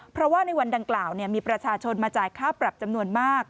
เพราะว่าในวันดังกล่าวมีประชาชนมาจ่ายค่าปรับจำนวนมาก